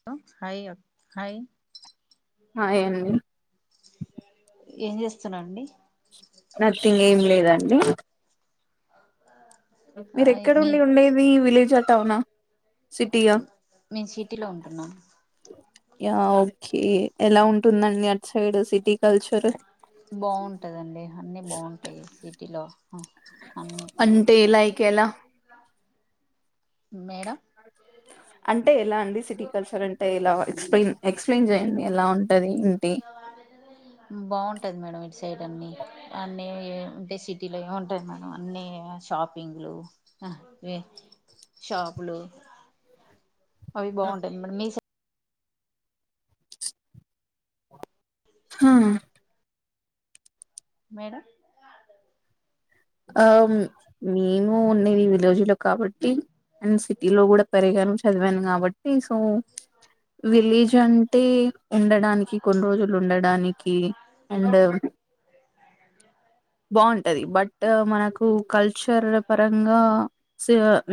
Hello hi hi hi అండి ఏం చేస్తున్నా అండి నథింగ్ ఏం లేదండి మీర హాయ్ మీ ఎక్కడండి ఉండేది విలేజ్ ఆ టౌనా సిటీ ఆ మేము సిటీలో ఉంటున్నాం యా ఓకే ఎలా ఉంటుందండి అట్ సైడ్ సిటీ కల్చర్ బాగుంటాదండి అన్ని బాగుంటాయి సిటీలో అన్నీ అంటే లైక్ ఎలా మేడం అంటే ఎలా అండి సిటీ కల్చర్ అంటే ఎలా ఎక్స్ప్లెయిన్ ఎక్స్ప్లెయిన్ చేయండి ఎలా ఉం బాగుంటది మేడం సైడ్ అన్ని అన్ని ఉంటే సిటీలో ఏం ఉంటాయి మేడం అన్ని షాపింగ్లు హా ఇవే షాపులు అవి బాగుంటాయి మేడం మీ సై హా మేడం ఆ ఉమ్ మేము ఉన్నది విలేజ్ లో కాబట్టి అండ్ సిటీ లో కూడా పెరిగాను చదివాను కాబట్టి టి సో విలేజ్ అంటే ఉండడానికి కొన్ని రోజులు ఉండడానికి అండ్ అ బాగుంటది బట్ మనకు కల్చర్ పరంగా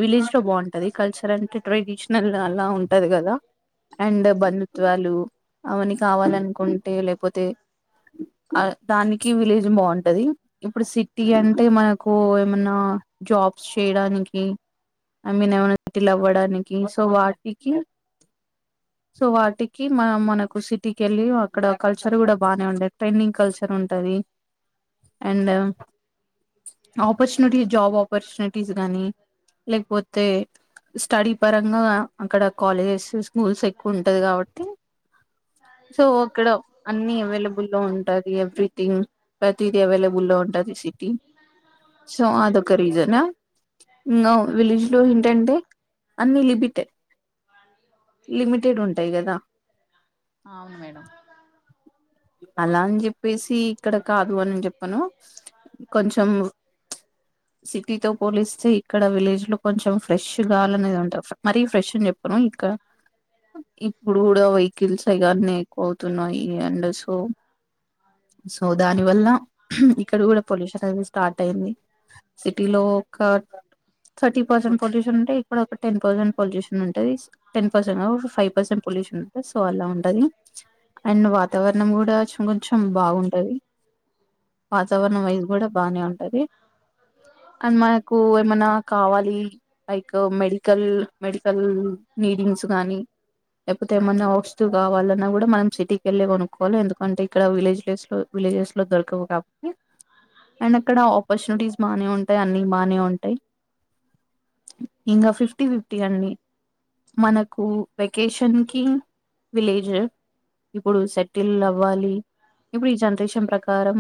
విలేజ్ లో బాగుంటది కల్చర్ అంటే ట్రెడిషనల్ అలా ఉంటది కదా అండ్ బంధుత్వాలు అవన్ని కావాలనుకుంటే లేకపోతే దానికి విలేజ్ బాగుంటది ఇప్పుడు సిటీ అంటే అంటే మనకు ఏమన్నా జాబ్స్ చేయడానికి ఐ మీన్ ఏమన్నా సెటీల్ అవ్వడానికి సో వాటికి సో వాటికి మనం మనకు సిటీకి వెళ్ళి అక్కడ కల్చర్ కూడా బాగానే ఉండేది ట్రెండింగ్ కల్చర్ ఉంటది అండ్ ఆపార్చునిటీస్ జాబ్ ఆపర్చునిటీస్ గానీ లేకపోతే స్టడీ పరంగా అక్కడ కాలేజెస్ స్కూల్స్ ఎక్కువ ఉంటది కాబట్టి సో అక్కడ అన్ని అవైలబుల్ లో ఉంటది ఎవ్రీథింగ్ ప్రతిది అవైలబుల్ ఉంటది సిటీ సో అదొక రీజన్ నో విలేజ్ లో ఏంటంటే అన్ని లిమిటే లిమిటెడ్ ఉంటాయి కదా అవును మేడం అలా అని చెప్పేసి ఇక్కడ కాదు అని నేను చెప్పను కొంచెం సిటీతో పోలిస్తే ఇక్కడ విలేజ్ లో కొంచెం ఫ్రెష్ కాగాలనేది ఉంట మరీ ఫ్రెష్ చె చెప్పను ఇక ఇప్పుడు కూడా వెహికల్స్ ఇగన్ని ఎక్కువ అవుతున్నాయి అండస్ సో దాని వల్ల ఇక్కడ కూడా పొల్యూషన్ అనేది స్టార్ట్ అయింది సిటీలో కాట్ థర్టీ పర్సెంట్ పొల్యూషన్ ఉంటే ఇప్పుడు ఒక టెన్ పర్సంట్ పొల్యూషన్ ఉంటది టెన్ పర్సెంట్ ఒక ఫైవ్ పర్సెంట్ పొల్యూషన్ సో అలా ఉంటది అండ్ వాతావరణం కూడా కొంచెం కొంచెం బాగుంటది వాతావరణం ఇది కూడా బానే ఉంటుది అండ్ మనకు ఏమైనా కావాలి లైక్ మెడికల్ మెడికల్ నీడింగ్స్ గానీ లేకపోతే ఏమన్నా కావాలన్నా కూడా మనం సిటీకి వెళ్లే కొనుం ఎందుకంటే ఇక్కడ విలేజేస్ లో విలేజెస్ లో దొరకవు కాబట్టి అండ్ అక్కడ ఆపర్చునిటీస్ బానే ఉంటాయి అన్ని బానే ఉంటాయి ఇంక ఫిఫ్టీ ఫిఫ్టీ అండి మనకు వెకేషన్ కి విలేజ్ ఇప్పుడు సెట్ టిల్ అవ్వాలి ఇప్పుడు ఈ జనరేషన్ ప్రకారం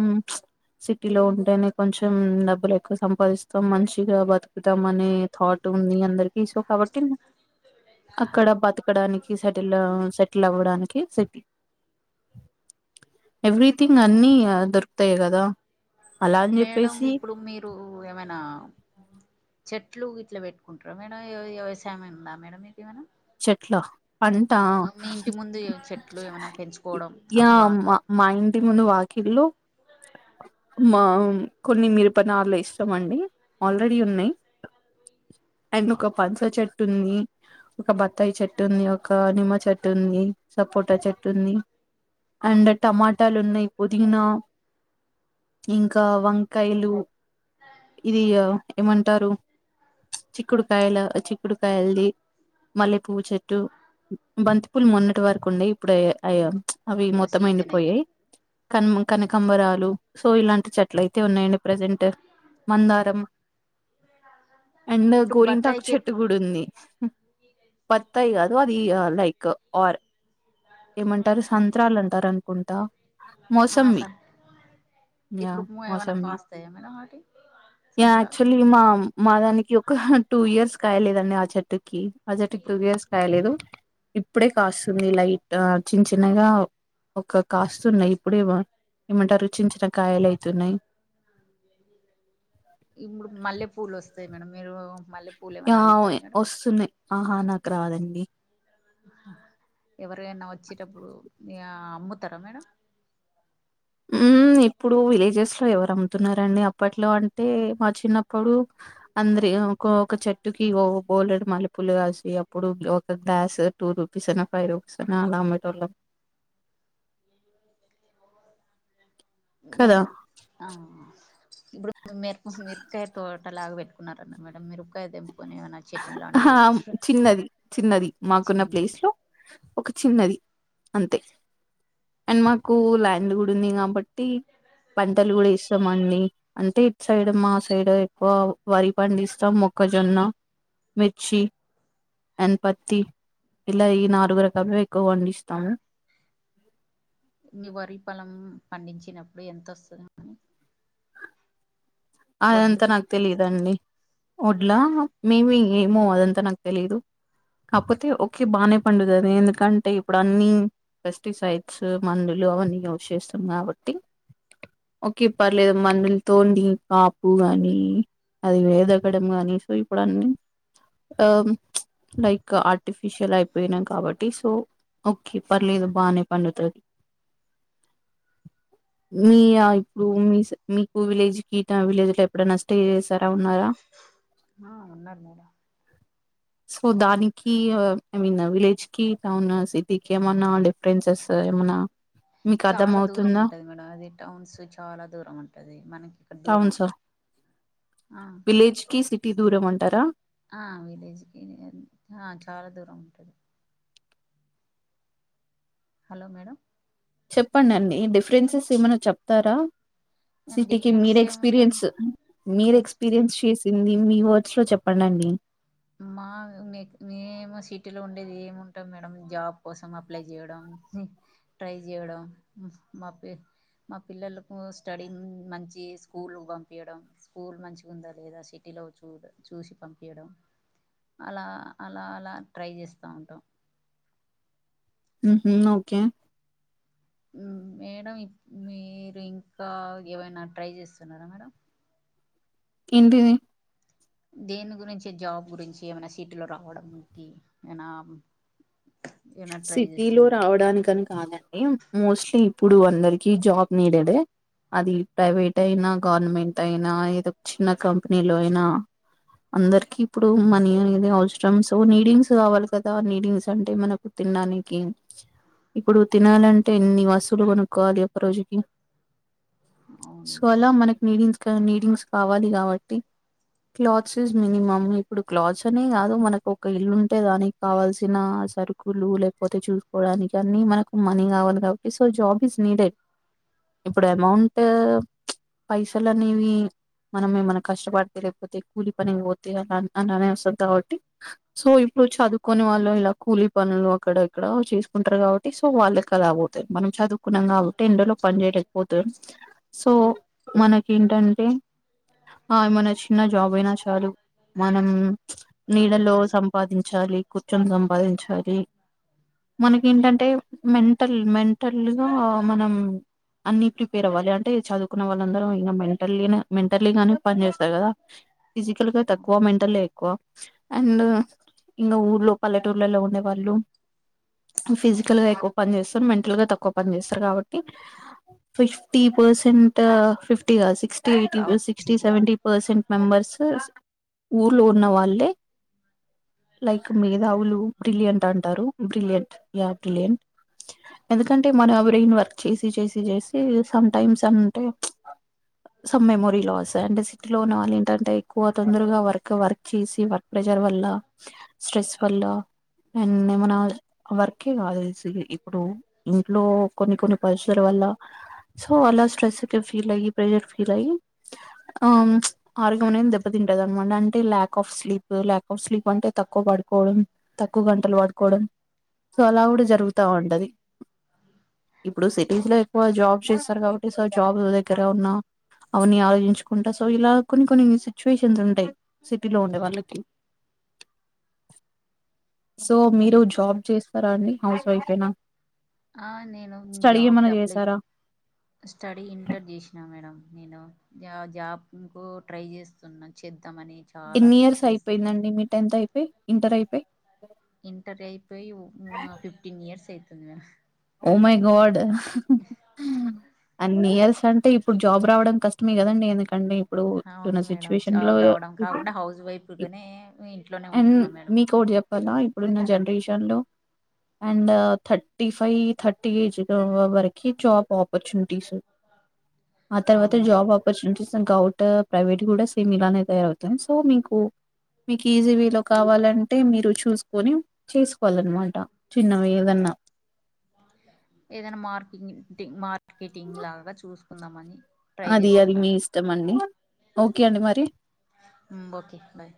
సిటీలో ఉంటేనే కొంచెం డబ్బులు ఎక్కువ సంపాదిస్తాం మంచిగా ఉంటామనే థాట్ ఉంది అందరికి సో కాబట్టి అక్కడ బతకడానికి సెటిల్ సెటిల్ అవ్వడానికి సెటిల్ ఎవ్రీథింగ్ అన్నిీ దొరుకుతాయి కదా అలా అని మేడం చెప్పేసి ఇప్పుడు మీరు ఏమైనా చెట్లు ఇట్లా పెట్టుకుంటారా మేడం ఏ వ్యవసాయం ఉందా మేడం మీకు ఏమైనా చెట్లా అంతా మీ ఇంటి ముందు చెట్లు ఏమైనా పెంచుకోవడం యా అవి వాత మా మాఇంటి ముందు వా కిలో మా కొన్ని మిరపనాలు ఇష్టం అండి ఆల్రెడీ ఉన్నాయి అండ్ ఒక పనస చెట్టుంది ఒక బత్తాయి చెట్టు ఉంది. ఒక నిమ్మ చెట్టు ఉంది. సపోటా చెట్టు ఉంది. అండ్ టమాటాలు ఉన్నాయి. పుదీన ఇంకా వంకాయలు ఇది ఏమంటారు చిక్కుడుకాయల చిక్కుడుకాయలది మల్లె పువ్వు చెట్టు, బంతిపుూలు మొన్నటి వరకు ఉండే ఇప్పుడు అయ అవి ఆ మొత్తం సీజన్ అయితే ఎండిపోయాయి కన్ కనకంబరాలు సో ఇలాంటి చెట్లు అయితే ఉన్నాయండి ప్రజెంట్ మందారమ్ జ అండ్ గోరింటాకు చెట్టు కూడా ఉంది బత్తాయి కాదు అది లైక్ ఆర్ ఏమంటారు సంత్రాలు అంటారు అనుకుంటా ఆ మోసంవి సార్ ఇప్పుడు ఏమైనా [unintelligible] కాస్తాయా మేడం వాటి సంత్రాలు యాక్చులీ మా మాగాని ఈ ఒక్క టూ ఇయర్స్ కాయలేదండి ఆ చెట్టుకి ఆ చెట్టుకి టూ ఇప్పుడు ఇయర్స్ కాయలేదు ఇప్పుడే కాస్తున్నాయి లైట్ చిన్న చిన్నగా ఒక కాస్తున్నాయి ఇప్పుడే ఏమంటరు చిన్న చిన్న కాయలు అయితున్నాయి ఇప్పుడు మల్లె పూలు వస్తాయి మేడం మీరు మల్లె పూలు ఏమైనా ఆ అల్లుతారా మేడం వస్తున్నాయి ఆహా నాకు రాదండి ఎవరైనా వచ్చేటప్పుడు య అమ్ముతారా మేడం [inaudible] హ్మ్. ఇప్పుడు విలేజెస్ లో ఎవరు అమ్ముతున్నారండి అప్పట్లో అంటే మా చిన్నప్పుడు అందరి ఏమీ అనుకోకు చెట్టుకి ఓ బోల్లెడ్ మల్లెపూలు కాసి అప్పుడు ఒక గ్లాస్ టూ రూపీస్ అను ఫైవ్ రుపీస్ అనా అలా ఆమెటోలం ఏమో మే కదా! హౌ అ ఇప్పుడు మిర మిరపకాయ తోట లాగా పెట్టు కున్నారుమేడం మిరపకాయ ఏమైనా అహ చట్నీ లాంటివి అహా చేసుకుంటారా చిన్నది చిన్నది మాకున్న చిన్న ప్లేస్ లో ఒక చిన్నది అంతే అండ్ మాకు ల్యాండ్ కూడా ఉంది కాబట్టి పంటలు కూడా ఎస్తాం అండి అంటే ఇటు సైడ్ మా సైడ్ ఎక్కువ వరి పండి ఇస్తాం మొక్కజొన్న మిర్చి అండ్ పత్తి ఇలా ఈ నాలుగు రకలు ఎక్కువ పండిస్తాము మీ వరి పలం పండించినప్పుడు ఎంత వస్తది అది వడ్లు అంత నాకు తెలియదు అండి ఒడ్లా మేమి ఏమో అదంతా నాకు తెలీదు కాకపోతే ఓకే బానే పండుతుంది ఎందుకంటే ఇప్పుడు అన్ని పెస్టిసైడ్స్ మందులు అవన్నీ యూజ్ చేస్తాం కాబట్టి ఓకే పర్లేదు మందులు తోని కాపు గానీ అది వేదగడం గాని సో ఇప్పుడు అన్నీ ఆ లైక్ ఆర్టిఫిషియల్ అయిపోయినాం కాబట్టి సో ఓకే పర్లేదు బానే పండుతాది [inaudible] మీయా ఇప్పుడు మీ మీకు విలేజ్ గీతా విలేజ్ లో ఎప్పుడైన ట్రై చేస్తే ఆ ఉన్నారు మేడం సో దానికి ఐ మీన్ విలేజ్ కి టౌన్ సిటీకి ఏమన్నా డిఫరెన్సెస్ ఏమన్నా మీకు చాలా దూరం అర్థమవుతుందా? ఉంటది మేడం అది టౌన్స్ చాలా దూరం ఉంటది మనకి ఇక్కడ దూరం టౌన్స్ ఆ ఆ విలేజ్ కి సిటీ దూరమంటారా ఆ విలేజ్కి చాలా దూరం ఉంటుంది హలో మేడం చెప్పండండి డిఫరెన్సెస్ ఏమైనా చెప్తారా సిటీకి డిఫరెన్స్ మీరు ఏముంటాయి ఎక్స్పీరియన్స్ మీరు ఎక్స్పీరియన్స్ చేసింది మీ ఓట్స్ లో చెప్పండిండి మా మేమో సిటీ లో ఉండేది ఏమింటాం మేడం జాబ్ కోసం అప్లై చేయడం ట్రై చేయడం మా ప్రయత్నం మా పిల్లలకు స్టడీ మంచి స్కూల్ పంపీయడం స్కూల్ మంచిగా స్కూలు ఉందా లేదా సిటీ లో చూ చూసి పంపీయడం అలా అలా అలా ట్రై చేస్తూ ఉంటాం హ్మ్ హు ఓకే మ్మ్ మేడం మీరు ఇంకా ఏమైనా ట్రై చేస్తున్నారా మేడం ఎంటిది దేని గురించి జాబ్ గురించి ఏమైనా సిటీలో రావడానికి ఏనా సిటీ లో రావడానికని కాదండి మోస్ట్లీ ఇప్పుడు అందరికి జాబ్ నీడెడ్ అది ప్రైవేట్ అయినా గవర్నమెంట్ అయినా ఏదో చిన్న కంపెనీలో అయినా అందరికి ఇప్పుడు మనీ అనేది అవసరం సో నీడింగ్స్ కావాలి కదా నీడింగ్స్ అంటే మనకు తిన్నా ననికి ఇప్పుడు తినాలంటే ఎన్ని వసూలు కొనుక్కోవాలి ఒక రోజుకి అవును సో అలా మేడం. మనకు నీడి నీడింగ్స్ కావాలి కాబట్టి క్లాత్స్ ఇస్ మినిమమ్ ఇప్పుడు క్లాత్స్ అనే కాదు మనకు ఒక ఇల్లుంటే దానికి కావాల్సిన సరు స్లు లేకపోతే చూసుకోవడానికి అన్ని మనకు మనీ కావాలి కాబట్టి సో జాబ్ ఇస్ నీడెడ్ ఇప్పుడు అమౌంట్ పైసలు అనేవి మనమే మన కష్టపడి తెలియకపోతే కూలి పని పోతే అ అలానే వస్తుంది కాబట్టి సో కు చదువుకోని వాళ్ళు ఇలా కూలి పనులు అక్కడ ఇక్కడ చేసుకుంటారు కాబట్టి సో వాళ్ళకి అలా పోతాయి మనం చదువుకున్నాం కాబట్టి ఎండలో పని చేయలేకపోతే సో మనకి ఏంటంటే ఆ మన చిన్న జాబ్ అయినా చాలు మనం నీడలో సంపాదించాలి కూర్చొని సంపాదించాలి లి మనకేంటంటే మెంటల్ మెంటల్గా మనం అన్ని ప్రిపేర్ అవ్వాలి అంటే చదువుకున్న వాళ్ళందరం ఇలా మెల్ టల్లి నే మెంటల్లీ గానే పని చేస్తారు కదా ఫిజికల్ గా తక్కువ మెంటల్గా ఎక్కువ అండ్ ఇంగ ఊర్లో పల్లెటూర్లలో ఉండే వాళ్ళు ఫిజికల్ గా ఎక్కువ పని చేస్తారు మెంటల్ గా తక్కువ పని చేస్తారు కాబట్టి ఫిఫ్టీ పర్సెంట్ ఆ ఫిఫ్టీ కాదు సిక్స్ టీ ఏయిటిన్ రావడం sixty city seventy percent members ఊర్లో ఉన్న వాళ్ళే లైక్ మేధావులు బ్రిలియంట్ అంటారు బ్రిలియయంట్ యా బ్రిలియంట్ ఎందుకంటే మనం బ్రయిన్ వర్క్ చేసి చేసి చేసి సమ్ టైమ్స్ అంటే సమ్ మెమోరీ లాస్ అంటే సిటీలో ఉన్న వాళ్ళు ఏంటంటే ఎక్కువ తొందరగా వర్క్ వర్క్ చేసి వర్క్ ప్రే షర్ వల్ల స్ట్రెస్ వల్ల నే [unintelligible] వర్కే కాదు [unintelligible] ఇప్పుడు ఇంట్లో కొన్ని కొన్ని పరిస్థిల వల్ల సో అలా స్ట్రెస్ గ ఫీల్ అయ్యి ప్రెజర్ ఫీల్ అయ్యి ఆ మ్మ్ ఆరోగ్యం అనేది దెబ్బతింటది అనమాట అంటే lack of sleep lack of sleep అంటే తక్కువ పడుకోవడం ఎక్కువ గంటలు పడుకోవడం సో అలా కూడా జరుగుతా ఉంటది ఇప్పుడు సిటీస్ లో ఎక్కువ జాబ్స్ చేస్తారు కాబట్టి సో జాబ్ ల దగ్గర ఉన్నా అవని ఆలోచించుకుంటా సో ఇలా కొన్ని కొన్ని సిచ్యుయేషన్స్ ఉంటాయి సిటీ లో ఉండే వాళ్ళకి సో మీరు జాబ్ చేస్తారా అండి హౌస్ వైఫ్ ఏనా ఆ నేను స్టడీ జాబ్ క ఏమన్నా అప్లై చేసారా స్టడీ ఇంటర్ చేసినా మేడం నేను యా జాబ్ కు ట్రై చేస్తున్నా చే ఎన్ని ఇయర్స్ అయిపోయిందండి మీ టెన్త్ అయిపోయి ఇంటర్ అయిపోయి ఇంటర్ అయిపోయి మ్మ్ ఆ ఫిఫ్టీన్ ఇయర్స్ అయితుంది మ్యామ్ ఓమై గాడ్ అన్ని ఇయర్స్ అంటే ఇప్పుడు జాబ్ రావడం కష్టమే కదండి ఎందుకండి ఇప్పుడు అవును ఇప్పుడున్న మేడం సిచ్యువేషన్ లో జాబు రావడం ఇప్పు- కాకుండా హౌస్ ఇప్- వైఫ్గానే ఇంట్లోనే అండ్ ఉంటున్నా మేడం మీకు ఒకటి చెప్పాలా ఇప్పుడున్న జనరేషన్ లో and thirty [unintelligible] five thirty age వా వ వరకి జాబ్ ఆపర్చునిటీస్ అ తర్వాత అవును మేడం జాబ్ ఆపర్చునిటీస్ తన్ గౌట ప్రైవేట్ కూడా సేమ్ ఇలానే తయారవుతాం సో మీకు మీకు ఈజీ వే లో కావాలంటే మీరు చూసుకొని చేసుకోవాలన్నమాట చిన్నవి ఏదన్నా ఏదైనా మార్కెంగ్ టింగ్ మార్కెటింగ్ లాగా నా చూసుకుందాం అని అది అది మీ ఇష్టం అండి ఓకే అండి మరి మ్మ్ మ్మ్ ఓకే బాయ్